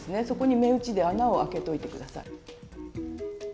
そこに目打ちで穴をあけといて下さい。